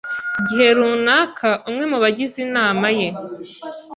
gihe runaka umwe mu bagize Inama ye